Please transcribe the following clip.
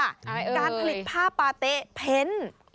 การผลิตผ้าปาเต๊ะเพ้น